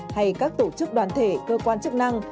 hay các tổ chức đoàn thể cơ quan chức năng